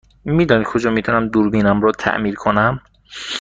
می دانید کجا می تونم دوربینم را تعمیر کنم؟